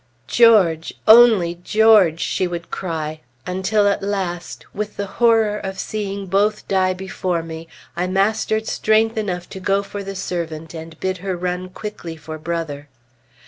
"George! only George!" she would cry; until at last, with the horror of seeing both die before me, I mastered strength enough to go for the servant and bid her run quickly for Brother.